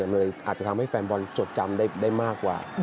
เลยอาจจะทำให้แฟนบอลจดจำได้มากกว่า